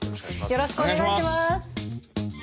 よろしくお願いします。